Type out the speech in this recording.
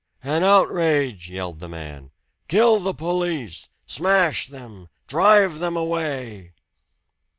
"An outrage!" yelled the man. "Kill the police! Smash them! Drive them away!"